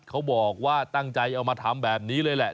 เขาบอกว่าตั้งใจเอามาทำแบบนี้เลยแหละ